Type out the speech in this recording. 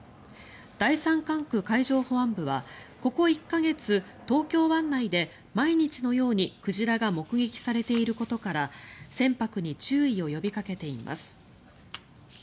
第三管区海上保安部はここ１か月東京湾内で毎日のように鯨が目撃されていることから船舶に注意を呼びかけています。